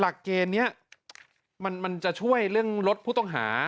หลักเกณฑ์นี้มันจะช่วยเรื่องรถผู้ต้องหา